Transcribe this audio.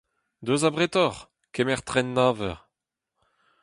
Deus abretoc'h ! Kemer tren nav eur.